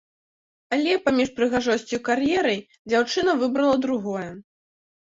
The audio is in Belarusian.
Але паміж прыгажосцю і кар'ерай дзяўчына выбрала другое.